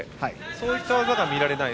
そういった技が見られない。